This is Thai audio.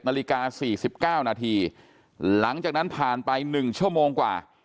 นาฬิกา๔๙นาทีหลังจากนั้นผ่านไป๑ชั่วโมงกว่า